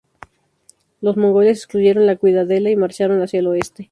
Los mongoles excluyeron la ciudadela y marcharon hacia el oeste.